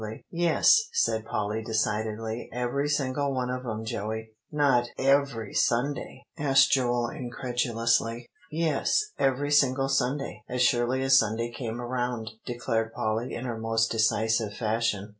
"Yes," said Polly decidedly; "every single one of 'em Joey." "Not every Sunday?" asked Joel incredulously. "Yes, every single Sunday; as surely as Sunday came around," declared Polly in her most decisive fashion.